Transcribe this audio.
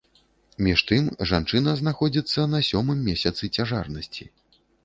Між тым, жанчына знаходзіцца на сёмым месяцы цяжарнасці.